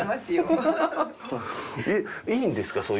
いいんですか？